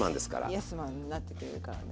イエスマンになってくれるからね。